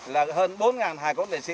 là hơn bốn hải cốt lễ sĩ